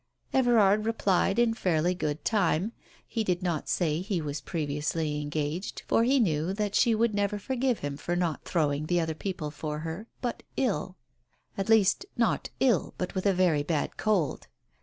Everard replied in fairly good time. He did not say he was previously engaged — for he knew that she would never forgive him for not throwing the other people for her — but ill. At least, not ill, but with a Very bad cold.